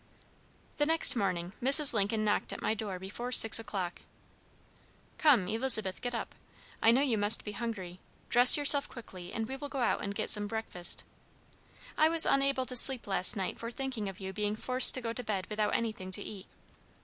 The next morning Mrs. Lincoln knocked at my door before six o'clock: "Come, Elizabeth, get up, I know you must be hungry. Dress yourself quickly and we will go out and get some breakfast. I was unable to sleep last night for thinking of you being forced to go to bed without anything to eat."